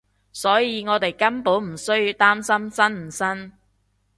所以我哋根本唔需要擔心生唔生